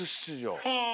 へえ。